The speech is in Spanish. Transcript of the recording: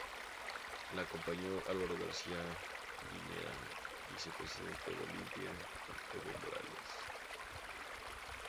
Le acompañó Álvaro García Linera vicepresidente de Bolivia con Evo Morales.